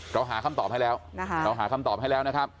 เราหาคำตอบให้แล้วเราหาคำตอบให้แล้วนะครับ